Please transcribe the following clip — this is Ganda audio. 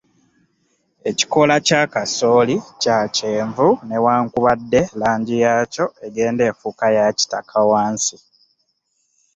Ekikoola kya kasooli kya kyenvu newankubadde langi yakyo engenda effuuka ya kitaka wansi.